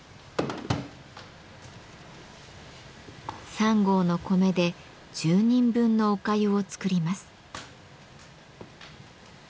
３合の米で１０人分のお粥を作ります。